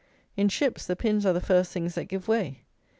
In ships, the pins are the first things that give way.